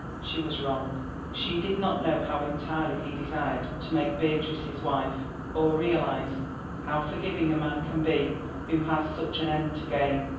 She was wrong. She did not know how entirely he desired to make Beatrice his wife, or realise how forgiving a man can be who has such an end to gain.